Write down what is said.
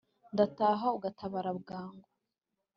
ndataka ugatabara bwangu